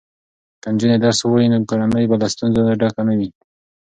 که نجونې درس ووایي نو کورنۍ به له ستونزو ډکه نه وي.